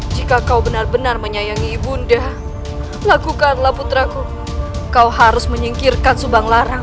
jika kau benar benar menyayangi ibunda lakukanlah putraku kau harus menyingkirkan subang larang